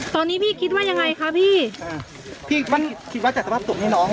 ตอนนี้พี่คิดว่ายังไงคะพี่พี่มันคิดว่าจัดสภาพศพนี่น้อง